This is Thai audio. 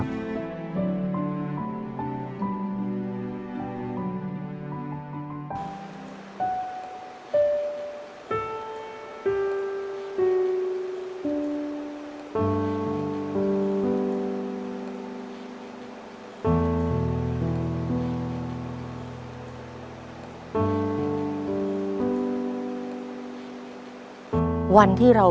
ปิดเท่าไหร่ก็ได้ลงท้ายด้วย๐เนาะ